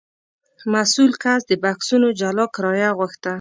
مسوول کس د بکسونو جلا کرایه غوښته.